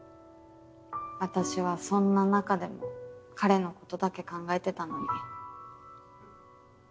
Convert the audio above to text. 私はそんな中でも彼のことだけ考えてたのに。